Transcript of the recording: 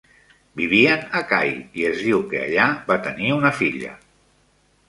Vivien a Kai i es diu que allà va tenir una filla.